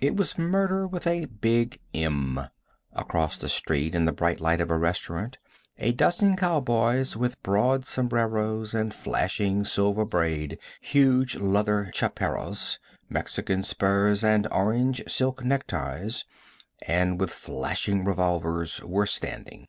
It was murder with a big "M." Across the street, in the bright light of a restaurant, a dozen cow boys with broad sombreros and flashing silver braid, huge leather chaperajas, Mexican spurs and orange silk neckties, and with flashing revolvers, were standing.